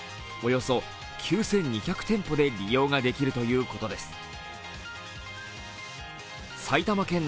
およそ９２００店舗で利用ができるということです。